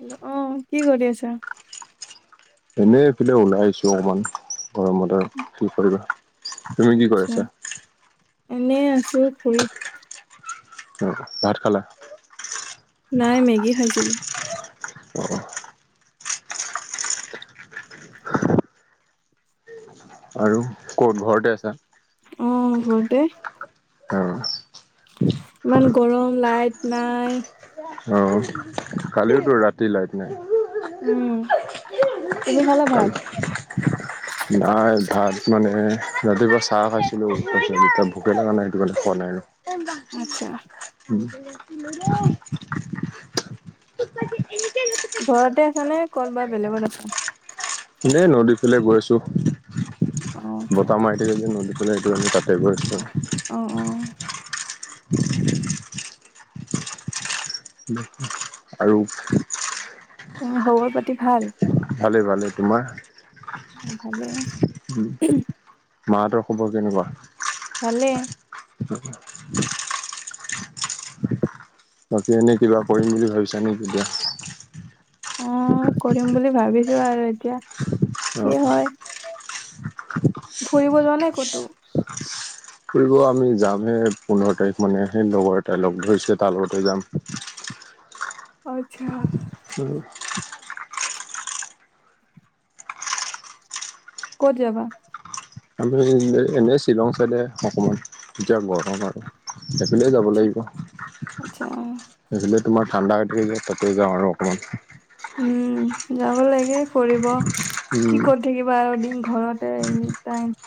Hello অহ কি কৰি আছা? এনেই এইফালে ওলাই আহিছো অকমান গৰমত কি কৰিবা৷ তুমি কি কৰি আছা? এনে আছো ফুৰি ভাত খালা? নাই মেগী খাইছিলো৷ অ আৰু ক'ত ঘৰতে আছা? অ ঘৰতে৷ অ ইমান গৰম লাইট নাই অ কালিওতো ৰাতি লাইট নাই৷ উম তুমি খালা ভাত? কালি নাই ভাত মানে ৰাতিপুৱা চাহ খাইছিলো৷পল এতি [unintelligible] নাই সটোলে আচ্ছা পোৱা নাই আৰু উ [unintelligible] ঘৰতে আছা নে ক'ত বা বেলেগত আছা? এই নদী ফালে গৈ আছো৷ অ আচ্ছা বতাহ মাৰি থাকে যে নদী বাই এইটো আমি তাতে গৈ আছো অ অ আৰু? এ খবৰ পাতি ভাল? ভালে-ভালে তোমাৰ? অ ভালে৷ মা হঁতৰ খবৰ কেনেকুৱা? ভালে৷ [unintelligible] বাকী এনেই কিবা কৰিম বুলি ভাবিছা নেকি এতিয়া অ কৰিম বুলি ভাবিছো আৰু এতিয়া৷ অ কি হয় ফুৰিব যোৱা নাই ক'তো? ফুৰিব আমি যামহে পোন্ধৰ তাৰিখ মানে সেই লগৰ এটাই লগ ধৰিছে তাৰ লগতে যাম৷ আচ্ছা উম ক'ত যাবা? আমি এনেই শ্বিলং চাইডে অকমান এতিয়া গৰম আৰু সেইফালে যাব লাগিব আচ্ছা সেইফালে তোমাৰ ঠাণ্ডা যায় তাতে যাওঁ আৰু অকণমান৷ উম যাব লাগে ফুৰিব কৰিব উম, কি কৰি থাকিবা আৰু দিন ঘৰতে এনিটাইম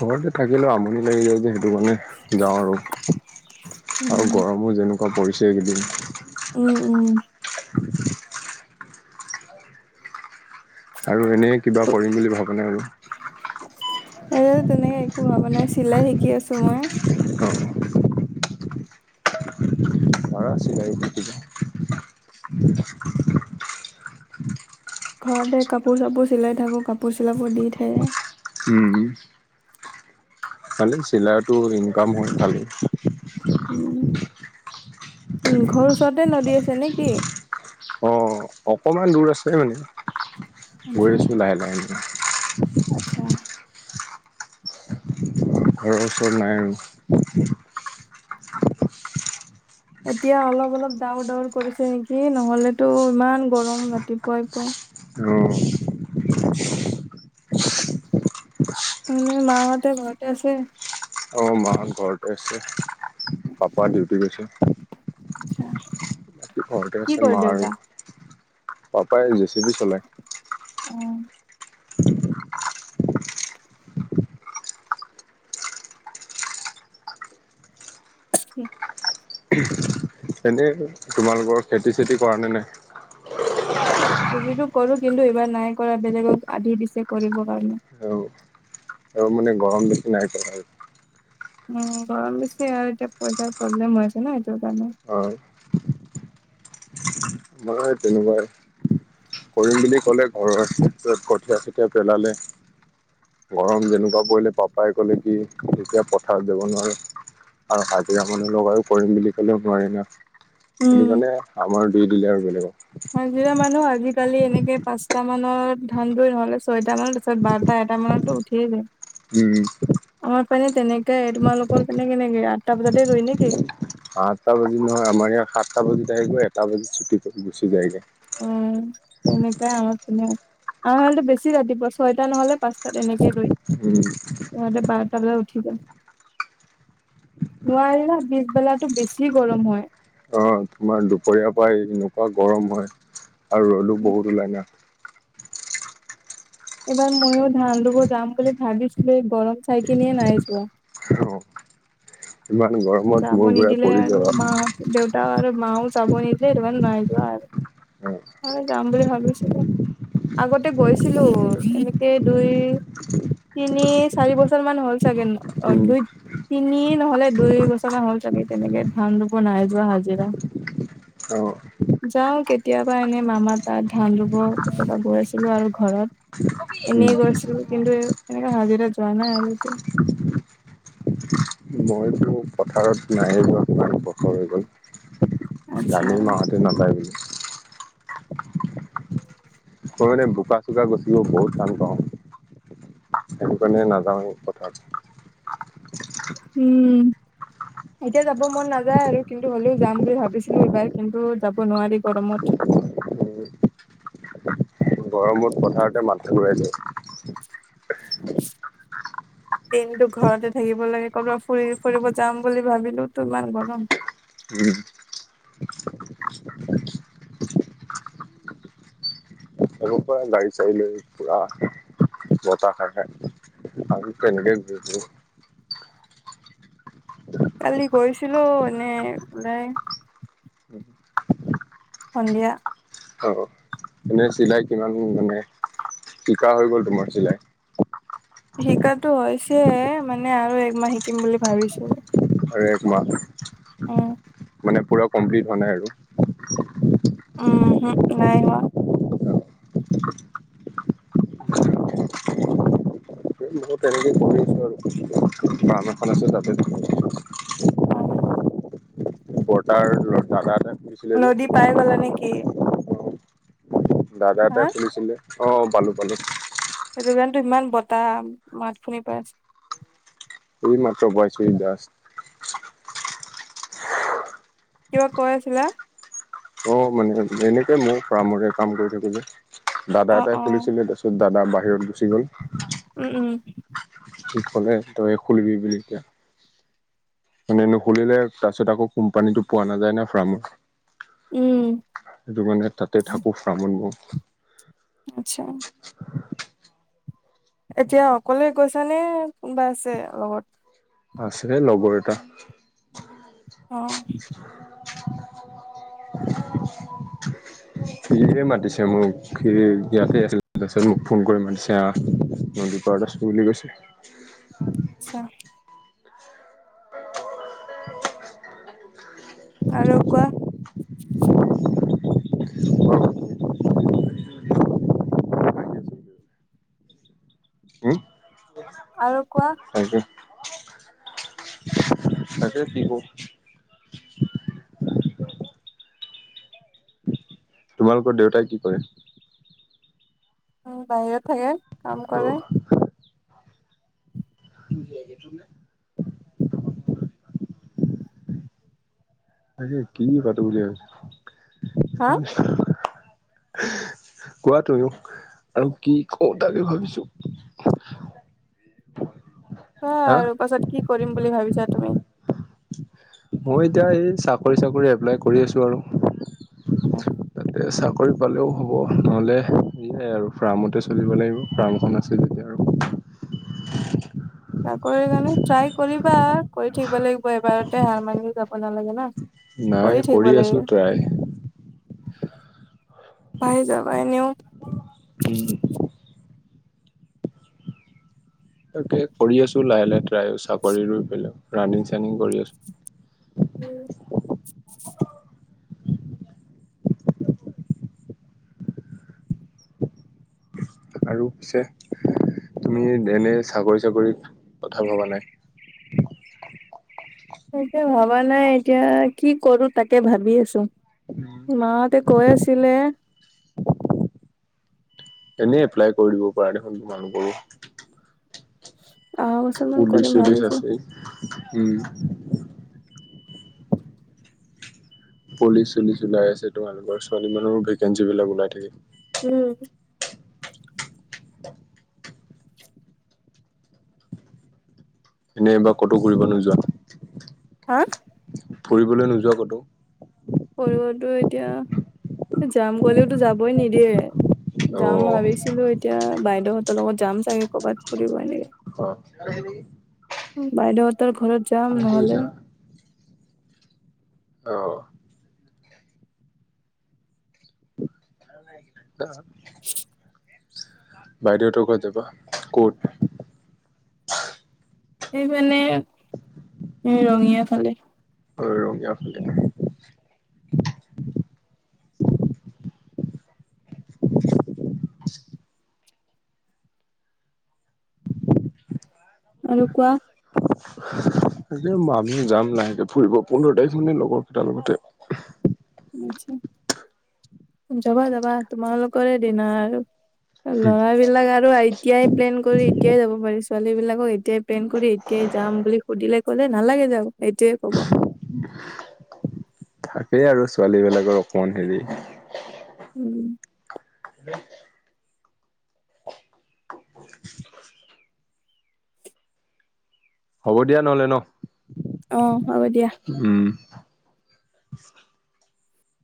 ঘৰতে থাকিলেও আমনি লাগি যায় যে সেইটো মানে যাওঁ আৰু-আৰু উম, গৰমো যেনেকুৱা পৰিছে এইকেইদিন৷ উম উম আৰু এনেই কিবা কৰিম বুলি ভাবো নে আৰু এই তেনেকে ভবা একো মানে বনাই চিলাই শিকি আছো মই অ পাৰা চিলাই শিকিব ঘৰতে কাপোৰ চাপোৰ চিলাই থাকো কাপোৰ চিলাব দি থাকে উম খালি চিলাইতো ইনকাম হয় ভালেই উম উ ঘৰৰ ওচৰতে নদী আছে নে কি অ অকমান দূৰ আছে মানে গৈ আচ্ছা, আছোঁ লাহে লাহে কে আচ্ছা। ঘৰৰ ওচৰত নাই আৰু এতিয়া অলপ অলপ ডাৱৰ ডাৱৰ কৰিছে নেকি নহলেতো ইমান গৰম ৰাতি পুৱাই পুৱাই অ আম মাঁ ঘৰতে আছে অ মা হঁত ঘৰতে আছে পাপা ডিউটি গৈছে আচ্ছা ঘৰতে কি আছে কৰে মা আৰু দেউতা? পাপাই জে চি বি চলাই অ', উ তেন্তে তোমালোকৰ খেতি চেতি কৰা নে নাই খেতিটো টো কৰো কিন্তু এইবাৰ নাই কৰা বেলেগক আধি দিছে কৰিব কাৰণে আৰু আৰু মানে গৰম বেছি নাই কৰা উম গৰম বেছি আৰু এতিয়া পইচাৰ প্ৰব্লেম হৈ আছে ন সেইটো কাৰণে হয় আমাৰো তেনেকুৱাই কৰিম বুলি ক'লে ঘৰৰ ক্ষেত্ৰত কঠীয়া কঠীয়া পেলালে গৰম যেনেকুৱা পৰিলে পাপাই কলে কি তেতিয়া পথাৰত যাব নোৱাৰে আৰু হাজিৰা মানুহ লগাইয়ো কৰিম বুলি ক'লেও নোৱাৰি ন সেইটো কাৰণে আমাৰ দি দিলে আৰু বেলেগক মাজিৰা মানুহ আজিকালি এনেকে তে পাঁচটা মানত ধানটো নহলে ছয়টা মানৰ তাৰিছত বাৰটা এটা মানতো উঠিয়ে যায় উম মানে তেনেকাই তোমালোকৰ পিনে কেনেকে আঠটা বজাতে ৰুই নে কি? আঠটা বাজি নহয় আমাৰ ইয়াত সাতটা বাজি আহিবই এটা বাজি ছুটি কৰি গুচি যায়গে উম, তেনেকাই আমাৰ পিনেও। আমাৰ ফালে টো বেছি ৰাতিপুৱা ছয়টা নহ'লে পাঁচটাত এনেকে ৰুই, উম, সিহঁতে বাৰটা বজাত উঠি যায়, নোৱাৰি না পিছবেলাতো বেছি গৰম হয়। আহ তোমাৰ দুপৰীয়াৰ পৰাই এনেকুৱা গৰম হয় আৰু ৰ'দো বহুত ওলাই না। এবাৰ ময়ো ধান ৰুব যাম বুলি ভাবিছিলো গৰম চাইকিনে নাই যোৱা। থ যাব নিদিলে আৰু যাবা মাহঁত দেউতা আৰু মাও যাব নিদিলে এইটো কাৰণে নাই যোৱা অ আৰু যাম বুলি ভাবিছিলো। আগতে গৈছিলো এনেকে দুই তিনি চাৰি বছৰ মান হ'ল চাগে ন অ উম দুই তিনি নহ'লে দুই চা হ'ল চাগে তেনেকে ধান ৰুব নাই যোৱা হাজিৰা অ যাওঁ কেতিয়াবা এনে মামাৰ তাত ধান ৰুব কেতিয়াবা গৈছিলো আৰু ঘৰত উম এনেই গৈছিলো কিন্তু এনেকা হাজিৰা যোৱা নাই আৰু এতিয়া। মইটো পথাৰত নায়ে যোৱা কিমান বছৰ হৈ গ'ল আচ্ছা গালি মাহঁতে নাপায় বুলি মই মানে বোকা-চোকা গুচকিব বহুত টান পাওঁ। সেই কাৰণে নাযাওঁ মই পথাৰ। উম। এতিয়া যাব মন নাযায় আৰু কিন্তু হলেও যাম বুলি ভাবিছিলো এইবাৰ কিন্তু যাব নোৱাৰি গৰমত। গৰমত পথাৰতে মাথা ঘূৰাই য়ায়। [inaudible] দিনটো ঘৰতে থাকিব লাগে কৰবাত ফুৰি-ফুৰিব যাম বুলি ভাবিলো তো ইমান গৰম। উম। আগৰ পৰা গাড়ী-চাড়ী লৈ পুৰা বতাহ খাই-খাই আমিতো এনেকে ঘূৰি ফুৰোঁ। কালি গৈছিলো, এনেই ওলাই সন্ধীয়া। অ', এনে চিলাই কিমান মানে শিকা হৈ গল তোমাৰ চিলাই? শিকাটো হৈছে, মানে আৰু একমাহ শিকিম বুলি ভাবিছো। আৰু এক মাহ, উম মানে পূৰা কমপ্লিট হোৱা নাই আৰু। উম হো, নাই হোৱা। বহুত তেনেকে কৰি আছো আৰু মোৰ ফাৰ্ম এখন আছে তাতে অ'। বৰ্তাৰ ল, দাদা এটা কৈছিলে নদী পাই গলা নেকি যে দাদা হা এটাই খুছিলে। অ', পালোঁ পালোঁ। সেইটো কাৰণেটো ইমান বতাহ মাত শুনি পাই আছে। এই মাত্ৰ বহিছোহি জাষ্ট। কিবা কৈ আছিলা? অ', মানে এনেকে মই ফ্ৰামৰে কাম কৰি থাকো যে দাদা অ অ এটাই খুলিছিলে তাৰপিছত দাদা বাহিৰত গুচি গ'ল। উম উম। সি কলে তই খুলিবি বুলি এতিয়া। মানে নুখুলিলে তাৰপিছত আকৌ কোম্পানীটো পোৱা নাযায় না ফ্ৰামৰ উম সেইটো মানে তাতে থাকো ফ্ৰামত মো আচ্ছা। [unintelligible] এতিয়া অকলে গৈছানে কোনোবা আছে লগত? আছে লগৰ এটা। অ'। [unintelligible] সিহে মাতিছে মোক, সি ইয়াতে আছিল তাৰপিছত মোক ফোন কৰি মাতিছে আহ। দুকানত আছোঁ বুলি কৈছে। আচ্ছা। আৰু কোৱা উম আৰু কোৱা। তাকে তাকে কি কওঁ? তোমালোকৰ দেউতাই কি কৰে? উম, বাহিৰত থাকে কাম অ কৰে। [inaudible] তাৰে কি পাতো বুলি হা ভাবিছো। [unintelligible] কোৱা তুমি মোক, আৰু কি কওঁ তাকে ভাবিছো। [unintelligible] সেয়াই হা আৰু, পাছত কি কৰিম বুলি ভাবিছা তুমি? মই এতিয়া এই চাকৰি চাকৰি এপ্লাই কৰি আছো আৰু। চাকৰি পালেও হ'ব, নহ'লে সয়াই আৰু ফাৰ্মতে চলিব লাগিব ফাৰ্মখন আছিল যেতিয়া আৰু। [unintelligible] চাকৰি কাৰণে ট্ৰাই কৰিবা কৰি থাকিব লাগিব এবাৰতে হাৰ মাৰি যাব নালাগে না। নাই থাকিব কৰি লাগে আছো ট্ৰাই। পাই যাবা এনেও। উম তাকে কৰি আছো লাহে লাহে ট্ৰাই চাকৰি ৰুই পেলাই ৰানিং চানিং কৰি আছো। [unintelligible] [unintelligible] আৰু পিছে তুমি এনে চাকৰি চাকৰিত কথা ভবা নাই? এতিয়া ভবা নাই এতিয়া কি কৰো তাকে ভাবি আছো। মা হতে কৈ আছিলে। এনেই এপ্লাই কৰি দিব পাৰ দেখোন তোমালোকৰ ওঁ। অহা বছৰ মান পুলিচ কৰিম চুলিচ ভাবিছো। আছে উম। পুলিচ চুলিচ ওলাই আছে তোমালোকৰ ছোৱালী মানুহৰ ভেকেঞ্চি বিলাক ওলাই থাকে। উম এনেবাৰ ক'তো ঘূৰিব নোযোৱা? হা ফুৰিবলৈ নোযোৱা কতো? ফুৰিব টো এতিয়া যাম কলেওতো যাবই নিদিয়ে। অ যাম ভাবিছিলো এতিয়া বাইদেউহতৰ লগত যাম চাগে কবাত ফুৰিব এনেকে। অ বাইদেউহতৰ ঘৰত যাম ফোন নহলে কৰিছা অ [inaudible] বাইদেউহতৰ ঘৰত যাবা, কত? সেই মানে ৰঙিয়া ফালে। ৰঙিয়া ফালে। [unintelligible] আৰু কোৱা? [unintelligible] আমিও যাম লাহেকে ফুৰিব পোন্ধৰ তাৰিখ মানে লগৰ কেইট লগতে। যাবা-যাবা তোমালোকৰে দিন আৰু। লৰা বিলাক আৰু এতিয়াই প্লেন কৰি এতিয়াই যাব পাৰিছো। ছোৱালী বিলাকক এতিয়াই প্লেন কৰি এতিয়াই যাম বুলি সুধিলে ক'লে নালাগে যাব। এইটোৱে কব। থাকেই আৰু ছোৱালী বিলাকৰ অকমান হেৰি উম। এ। হ'ব দিয়া নহলে ন? অ হ'ব দিয়া। উম। [inaudible]